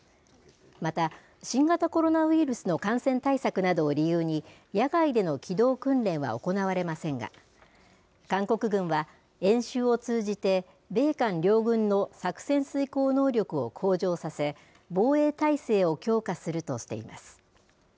また、新型コロナウイルスの感染対策などを理由に、野外での機動訓練は行われませんが、韓国軍は、演習を通じて、米韓両軍の作戦遂行能力を向上させ、防衛態勢を強化するとしています。